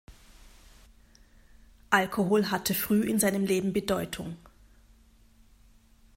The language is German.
Alkohol hatte früh in seinem Leben Bedeutung.